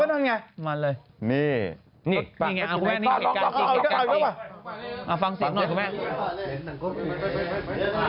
ก็นั่นไงเหมือนกันเลยนี่ฟังสิคหน่อยครูแม่น